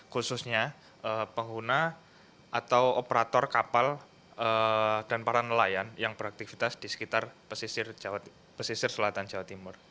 khususnya pengguna atau operator kapal dan para nelayan yang beraktivitas di sekitar pesisir selatan jawa timur